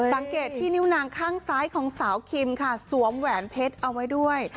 สังเกตที่นิ้วนางข้างซ้ายของสาวคิมค่ะสวมแหวนเพชรเอาไว้ด้วย